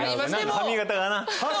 髪形がな。